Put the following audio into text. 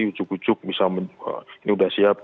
ujuk ujuk ini sudah siap